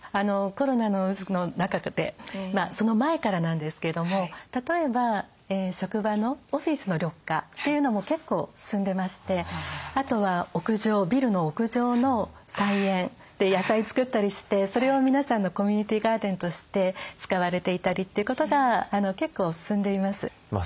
コロナの渦の中でその前からなんですけども例えば職場のオフィスの緑化というのも結構進んでましてあとは屋上ビルの屋上の菜園で野菜作ったりしてそれを皆さんのコミュニティーガーデンとして使われていたりということが結構進んでいます。